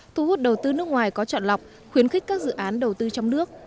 thu hút đầu tư nước ngoài có chọn lọc khuyến khích các dự án đầu tư trong nước